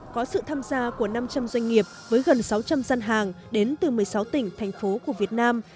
có sự tham gia của năm trăm linh doanh nghiệp với gần sáu trăm linh gian hàng đến từ một mươi sáu tỉnh thành phố của việt nam